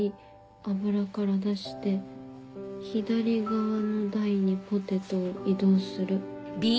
油から出して左側の台にポテトを移動する」。